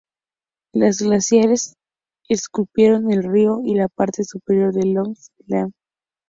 Los glaciares esculpieron el río y la parte superior de Long Island Sound.